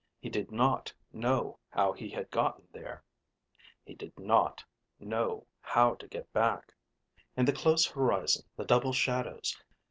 He did not know how he had gotten there. He did not know how to get back. And the close horizon, the double shadows